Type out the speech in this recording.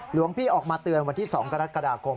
หลวงพี่ออกมาเตือนวันที่๒กรกฎาคม